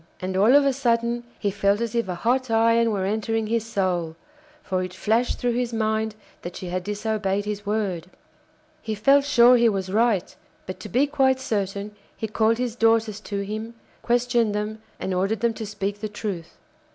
And all of a sudden he felt as if a hot iron were entering his soul, for it flashed through his mind that she had disobeyed his word. He felt sure he was right; but to be quite certain he called his daughters to him, questioned them, and ordered them to speak the truth.